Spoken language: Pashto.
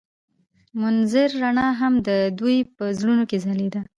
د منظر رڼا هم د دوی په زړونو کې ځلېده.